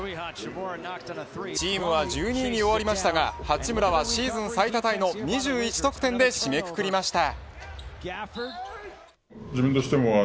チームは１２位に終わりましたが八村はシーズン最多タイの２１得点で締めくくりました。